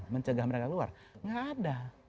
mencegah mereka keluar enggak ada